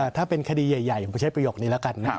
ถ้าเป็นคดีใหญ่ผมจะใช้ประโยคนี้แล้วกัน